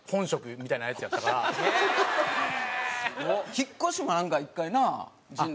引っ越しもなんか１回な陣内。